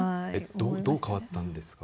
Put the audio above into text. どう変わったんですか？